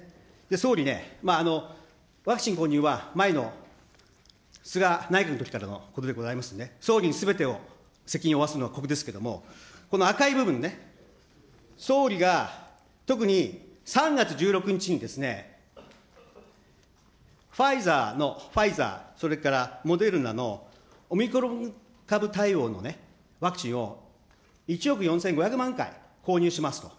総理ね、まあ、ワクチン購入は前の菅内閣のときからのことでございますんでね、総理にすべてを、責任を負わすのは国ですけども、この赤い部分、総理が特に、３月１６日にですね、ファイザーの、ファイザー、それからモデルナのオミクロン株対応のね、ワクチンを１億４５００万回購入しますと。